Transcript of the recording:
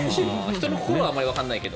人の心はあまりわからないけど。